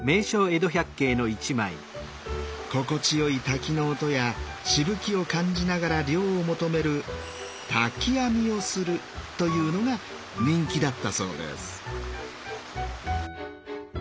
心地よい滝の音やしぶきを感じながら涼を求める「滝浴み」をするというのが人気だったそうです。